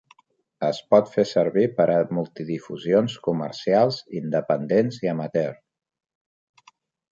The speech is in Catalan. Es pot fer servir per a multidifusions comercials, independents i amateur.